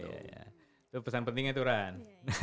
itu pesan pentingnya turan